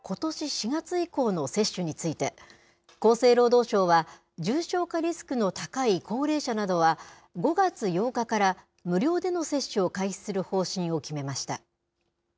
４月以降の接種について、厚生労働省は、重症化リスクの高い高齢者などは、５月８日から無料での接種を開始する方針を決めました。